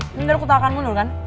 ini udah kutahakanmu dulu kan